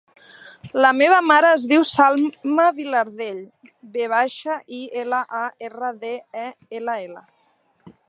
La meva mare es diu Salma Vilardell: ve baixa, i, ela, a, erra, de, e, ela, ela.